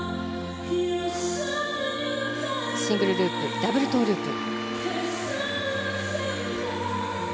シングルループダブルトウループ。